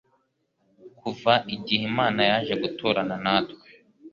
Kuva igihe Imana yaje guturana natwe,